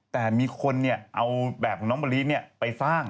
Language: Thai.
แต่มีคนเอาแบบของน้องมะลิไปสร้าง